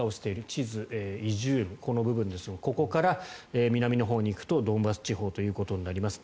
地図、イジュームはこの部分ですがここから南のほうへ行くとドンバス地方ということになります。